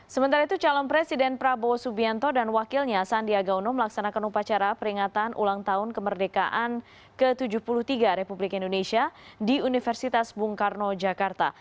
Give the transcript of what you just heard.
sementara itu calon presiden prabowo subianto dan wakilnya sandiaga uno melaksanakan upacara peringatan ulang tahun kemerdekaan ke tujuh puluh tiga republik indonesia di universitas bung karno jakarta